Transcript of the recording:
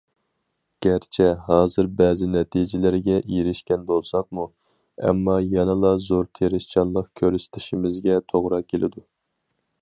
گەرچە ھازىر بەزى نەتىجىلەرگە ئېرىشكەن بولساقمۇ، ئەمما يەنىلا زور تىرىشچانلىق كۆرسىتىشىمىزگە توغرا كېلىدۇ.